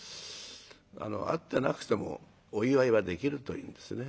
あの会ってなくてもお祝いはできるというんですね。